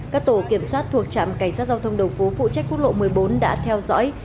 các tổ kiểm soát thuộc trạm cảnh sát giao thông đồng phú phụ trách quốc lộ một mươi bốn đã theo dõi